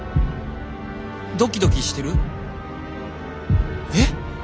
ドキドキしてる？えっ？